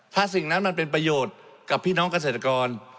ถ้าสิ่งนั้นมันเป็นประโยชน์กับพี่น้องเกษตรกร